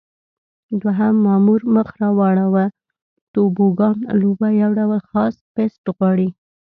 دوهم مامور مخ را واړاوه: توبوګان لوبه یو ډول خاص پېست غواړي.